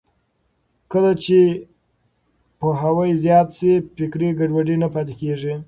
کله چې پوهاوی زیات شي، فکري ګډوډي نه پاتې کېږي.